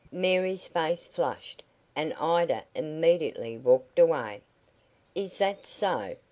Mary's face flushed, and Ida immediately walked away." "Is that so?"